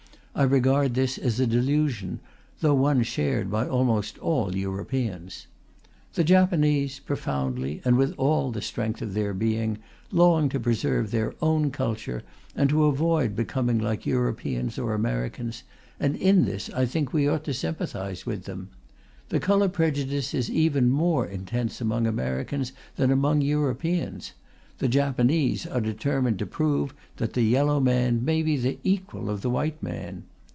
I regard this as a delusion, though one shared by almost all Europeans. The Japanese, profoundly and with all the strength of their being, long to preserve their own culture and to avoid becoming like Europeans or Americans; and in this I think we ought to sympathize with them. The colour prejudice is even more intense among Americans than among Europeans; the Japanese are determined to prove that the yellow man may be the equal of the white man.